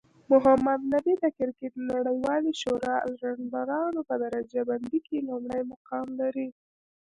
محمد نبي د کرکټ نړیوالی شورا الرونډرانو په درجه بندۍ کې لومړی مقام لري